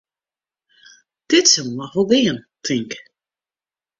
Dit sil noch wol gean, tink.